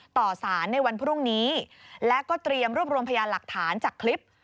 ต่อสารในวันพรุ่งนี้และก็เตรียมรวบรวมพยานหลักฐานจากคลิป